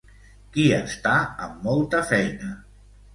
Qui està amb molta feina?